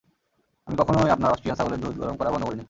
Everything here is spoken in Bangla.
আমি কখনই আপনার অস্ট্রিয়ান ছাগলের দুধ গরম করা বন্ধ করিনি।